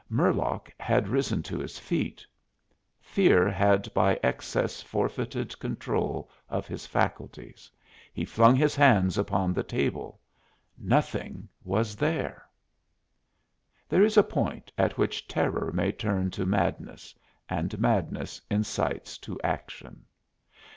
Murlock had risen to his feet. Fear had by excess forfeited control of his faculties. He flung his hands upon the table. Nothing was there! There is a point at which terror may turn to madness; and madness incites to action.